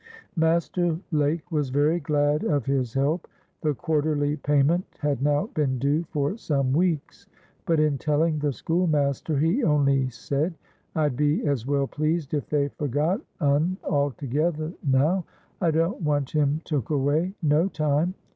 Master Lake was very glad of his help. The quarterly payment had now been due for some weeks, but, in telling the schoolmaster, he only said, "I'd be as well pleased if they forgot un altogether, now. I don't want him took away, no time.